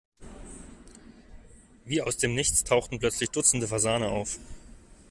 Wie aus dem Nichts tauchten plötzlich dutzende Fasane auf.